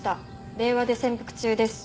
令和で潜伏中です